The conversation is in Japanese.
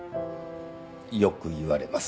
よく言われます。